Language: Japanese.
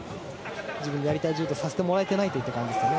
自分のやりたい柔道をさせてもらえないという感じですね。